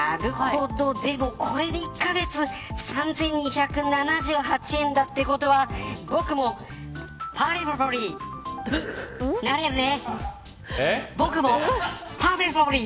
でもこれで１カ月３２７８円ってことは僕もパーフェクトボディーになれるね。